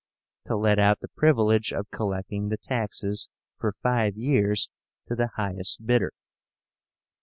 to let out the privilege of collecting the taxes, for five years, to the highest bidder.